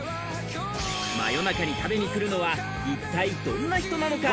真夜中に食べに来るのは一体どんな人なのか？